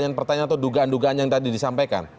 pertanyaan pertanyaan atau dugaan dugaan yang tadi disampaikan